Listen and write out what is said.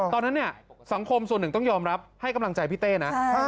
ตอนนั้นเนี่ยสังคมส่วนหนึ่งต้องยอมรับให้กำลังใจพี่เต้นะ